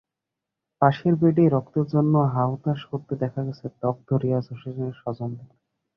পাশের বেডেই রক্তের জন্য হাহুতাশ করতে দেখা গেছে দগ্ধ রিয়াজ হোসেনের স্বজনদের।